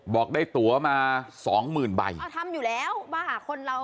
บอกได้ตัวมาสองหมื่นใบอ๋อทำอยู่แล้วมาหาคนเรา